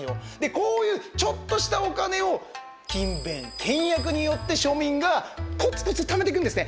こういうちょっとしたお金を勤勉倹約によって庶民がコツコツ貯めていくんですね。